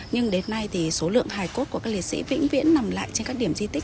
nhưng đến nay thì số lượng hài cốt của các liệt sĩ vĩnh viễn nằm lại trên các điểm di tích